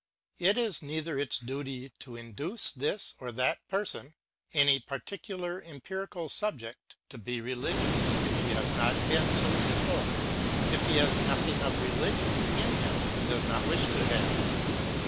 It is neither its intention nor its duty to induce this or that person, any particular empirical subject, to be religious if he has not been sov before, if he has nothing of religion in himself, and does not wish to have.